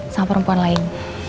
sama perempuan lain